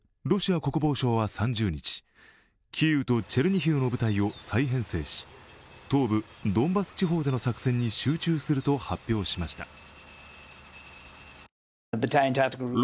ロシア国防省は３０日、キーウとチェルニヒフの部隊を再編成し東部ドンバス地方での作戦に集中すると発表しました。